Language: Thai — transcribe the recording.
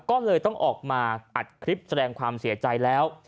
ก็เลยต้องออกมาอัดคลิปแสดงความเสียใจแล้ว